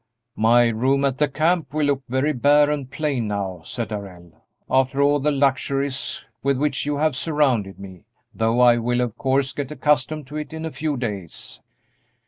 "My room at the camp will look very bare and plain now," said Darrell, "after all the luxuries with which you have surrounded me; though I will, of course, get accustomed to it in a few days."